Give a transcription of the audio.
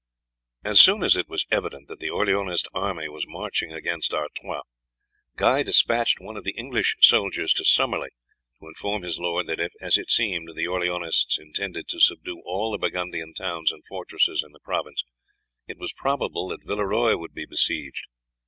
As soon as it was evident that the Orleanist army was marching against Artois, Guy despatched one of the English soldiers to Summerley to inform his lord that if, as it seemed, the Orleanists intended to subdue all the Burgundian towns and fortresses in the province, it was probable that Villeroy would be besieged.